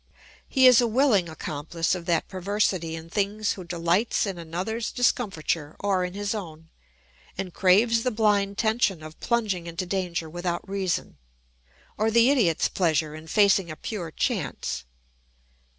He is a willing accomplice of that perversity in things who delights in another's discomfiture or in his own, and craves the blind tension of plunging into danger without reason, or the idiot's pleasure in facing a pure chance.